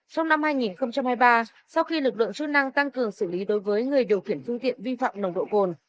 trong năm hai nghìn hai mươi ba sau khi lực lượng chức năng tăng cường xử lý đối với người điều khiển phương tiện vi phạm nồng độ cồn